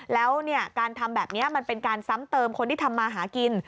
แล้วการทำแบบนี้มันเป็นการซ้ำเติมคนที่ทำมาหากิน